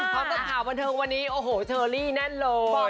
พอกับข่าวบันเทิงวันนี้โอ้โหเชอรี่แน่นเลย